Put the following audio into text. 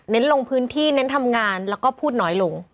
ลงพื้นที่เน้นทำงานแล้วก็พูดน้อยลง